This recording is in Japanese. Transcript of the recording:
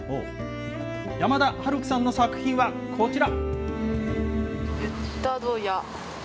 山田遥空さんの作品はこちら。